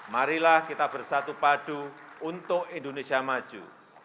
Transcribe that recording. marilah kita bersatu padu untuk indonesia maju